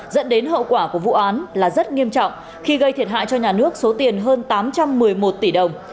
dẫn đến hậu quả của vụ án là rất nghiêm trọng khi gây thiệt hại cho nhà nước số tiền hơn tám trăm một mươi một tỷ đồng